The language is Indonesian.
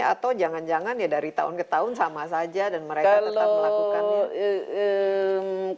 atau jangan jangan ya dari tahun ke tahun sama saja dan mereka tetap melakukan